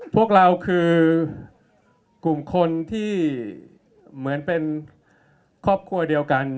พวกเราคือกลุ่มคนที่เหมือนเป็นครอบครัวเดียวกัน